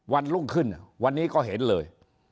วันรุ่งขึ้นวันนี้ก็เห็นเลย